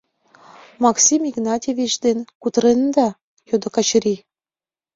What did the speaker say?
— Максим Игнатьевич дене кутыренда? — йодо Качырий.